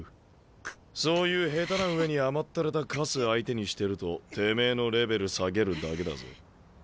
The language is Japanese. そういう下手な上に甘ったれたカス相手にしてるとてめえのレベル下げるだけだぜ。